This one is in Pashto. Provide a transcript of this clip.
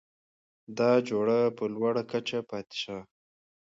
دا جوړه په لوړه کچه پاتې شوه؛